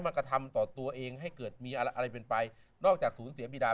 กระทำต่อตัวเองให้เกิดมีอะไรเป็นไปนอกจากศูนย์เสียบีดา